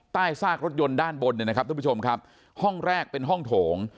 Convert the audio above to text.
ใต้ซากรถยนต์ด้านบนห้องแรกเป็นห้องโถง